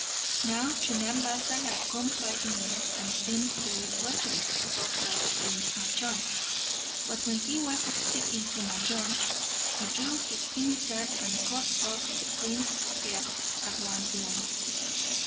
Now Chumman Basa had come quite near, and seemed very pleasant, so thought Prince Majnun; but when he was speaking to Majnun, he drew his scimitar and cut off the prince's head at one blow.